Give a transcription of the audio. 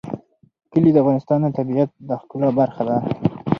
کلي د افغانستان د طبیعت د ښکلا برخه ده.